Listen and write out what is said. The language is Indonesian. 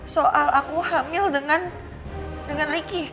soal aku hamil dengan ricky